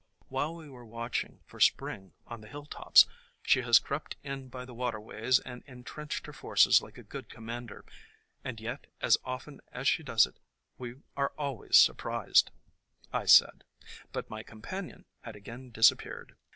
"While we were watching for Spring on the hill tops, she has crept in by the waterways and entrenched her forces like a good commander, and yet as often as she does it, we are always surprised," I said; but my companion had again disappeared.